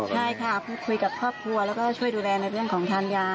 ใช่ค่ะพูดคุยกับครอบครัวแล้วก็ช่วยดูแลในเรื่องของทานยา